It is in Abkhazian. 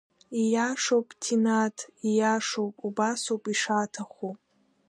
Ииашоуп, Ҭинаҭ, ииашоуп, убасоуп ишаҭаху!